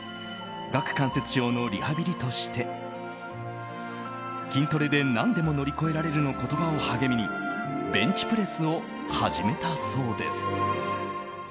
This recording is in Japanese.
顎関節症のリハビリとして筋トレで何でも乗り越えられるの言葉を励みにベンチプレスを始めたそうです。